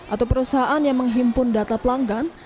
atau perusahaan yang menghimpun data pelanggan